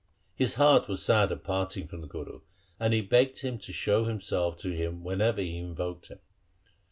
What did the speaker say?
His heart was sad at parting from the Guru, and he begged him to show himself to him whenever he invoked him.